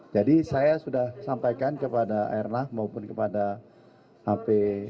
jadi saya sudah sampaikan kepada arnr maupun kepada ap dua